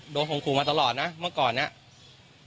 โดนขมขู่มาตลอดนะเมื่อก่อนนั้น